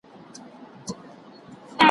يادونه د ښوونکي له خوا کېږي!؟